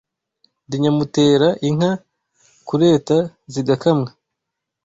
Ndi nyamutera inka kureta zigakamwa